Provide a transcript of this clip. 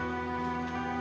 yang sangat mencintaimu